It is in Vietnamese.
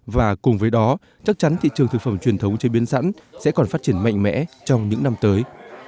và cùng với đó chắc chắn thị trường thực phẩm truyền thống chế biến sẵn sẽ còn phát triển mạnh mẽ trong những năm tới